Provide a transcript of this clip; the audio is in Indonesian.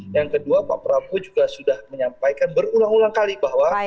yang kedua pak prabowo juga sudah menyampaikan berulang ulang kali bahwa